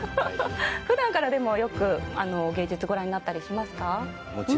普段からよく芸術をご覧になったりしますか？